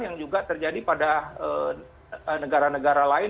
yang juga terjadi pada negara negara lain